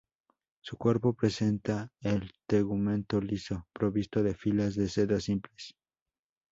Su cuerpo presenta el tegumento liso, provisto de filas de sedas simples.